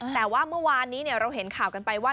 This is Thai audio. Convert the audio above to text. แต่ว่าเมื่อวานนี้เราเห็นข่าวกันไปว่า